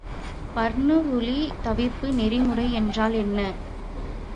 பர்னவுலி தவிர்ப்பு நெறிமுறை என்றால் என்ன?